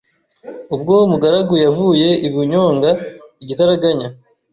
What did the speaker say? ubwo Mugarura yavuye i Bunyonga igitaraganya